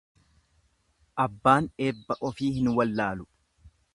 Abbaan eebba ofii hin wallaalu.